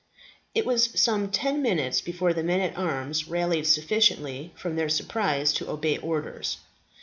It was some ten minutes before the men at arms rallied sufficiently from their surprise to obey orders.